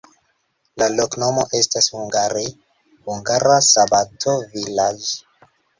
La loknomo estas hungare: hungara-sabato-vilaĝ'.